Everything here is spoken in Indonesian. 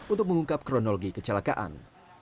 untuk mengungkap kronologi kecelakaan